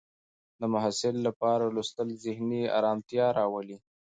د محصل لپاره لوستل ذهني ارامتیا راولي.